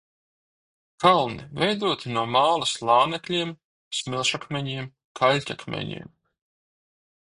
Kalni veidoti no māla slānekļiem, smilšakmeņiem, kaļķakmeņiem.